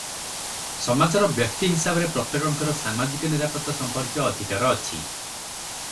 ସମାଜର ବ୍ୟକ୍ତି ହିସାବରେ ପ୍ରତ୍ୟେକଙ୍କର ସାମାଜିକ ନିରାପତ୍ତା ସମ୍ପର୍କୀୟ ଅଧିକାର ଅଛି ।